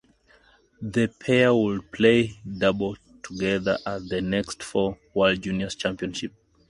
The pair would play doubles together at the next four World Junior Championships.